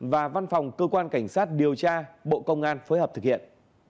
và văn phòng cơ quan cảnh sát điều tra bộ công an phối hợp thực hiện